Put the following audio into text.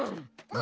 あ！